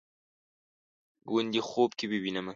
ګوندې خوب کې ووینمه